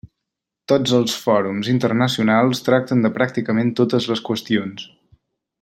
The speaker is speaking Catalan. Tots els fòrums internacionals tracten de pràcticament totes les qüestions.